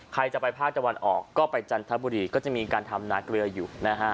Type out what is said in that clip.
ใครจะไปภาคตะวันออกก็ไปจันทบุรีก็จะมีการทำนาเกลืออยู่นะฮะ